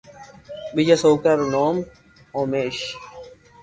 ٻيجا سوڪرا رو نوم اوميݾ